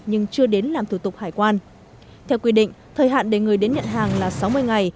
nhưng chưa đến làm thủ tục hải quan theo quy định thời hạn để người đến nhận hàng là sáu mươi ngày